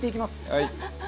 はい。